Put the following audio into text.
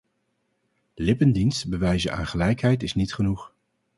Lippendienst bewijzen aan gelijkheid is niet genoeg.